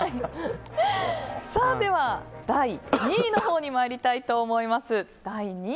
では、第２位にまいりたいと思います。